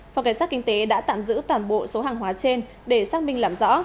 phòng cảnh sát kinh tế đã tạm giữ toàn bộ số hàng hóa trên để xác minh làm rõ